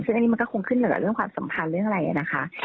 ซึ่งอันนี้มันก็คงขึ้นเหนือเรื่องความสัมพันธ์เรื่องอะไรนะคะ